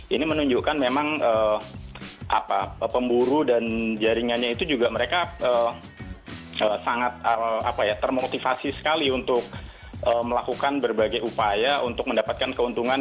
ini menunjukkan memang pemburu dan jaringannya itu juga mereka sangat termotivasi sekali untuk melakukan berbagai upaya untuk mendapatkan keuntungan